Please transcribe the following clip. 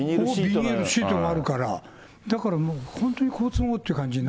ビニールシートがあるから、だからもう、本当に好都合って感